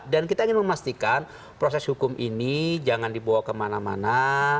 dan kita ingin memastikan proses hukum ini jangan dibawa kemana mana